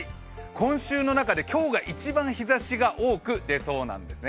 今週の中で今日が一番日ざしが多く出そうなんですね。